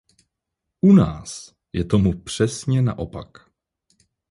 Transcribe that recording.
U nás je tomu přesně naopak.